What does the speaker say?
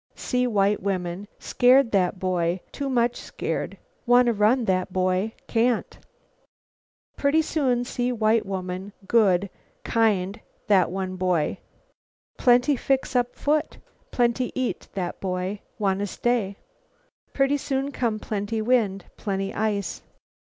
See white women; scared, that boy, too much scared. Wanna run, that boy. Can't. Pretty soon see white woman good, kind, that one boy. Plenty fix up foot. Plenty eat, that boy. Wanna stay. "Pretty soon come plenty wind; plenty ice.